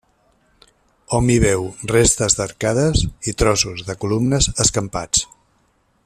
Hom hi veu restes d'arcades i trossos de columnes escampats.